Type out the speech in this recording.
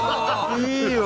いいよ！